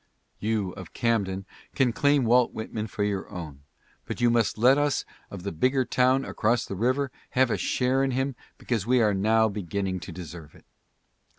You of Camden can claim Walt Whitman for your own, but you must let us of the bigger town across the river have a share in him because we are now beginning to deserve it.